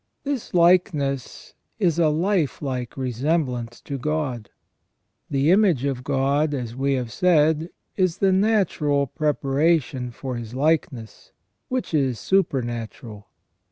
This likeness is a life like resemblance to God. The image of God, as we have said, is the natural preparation for His likeness, which is supernatural.